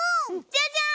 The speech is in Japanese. じゃじゃん！